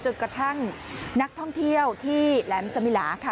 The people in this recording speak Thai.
จนกระทั่งนักท่องเที่ยวที่แหลมสมิลาค่ะ